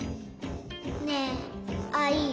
ねえアイ。